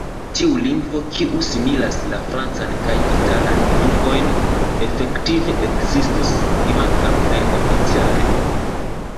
Tiu lingvo, kiu similas la francan kaj italan lingvojn, efektive ekzistis, kvankam ne oficiale.